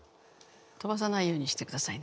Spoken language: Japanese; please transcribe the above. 飛ばさないようにしてくださいね。